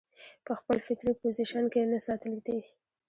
پۀ خپل فطري پوزيشن کښې نۀ ساتل دي